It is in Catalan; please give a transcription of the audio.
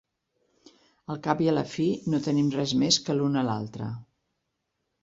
Al cap i a la fi, no tenim res més que l'un a l'altre.